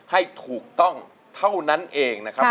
ให้ถูกต้องเท่านั้นเองนะครับ